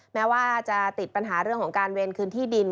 แม้ว่าจะติดปัญหาเรื่องของการเวรคืนที่ดิน